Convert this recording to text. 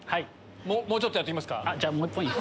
もうちょっとやっときますか？